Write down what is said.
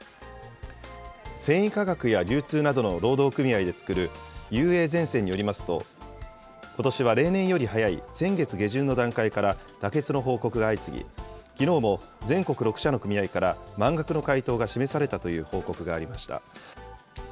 繊維化学や流通などの労働組合で作るＵＡゼンセンによりますと、ことしは例年より早い先月下旬の段階から妥結の報告が相次ぎ、きのうも全国６社の組合から、満額の回答が示されたという報告がありました。